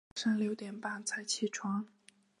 早上六点半才起床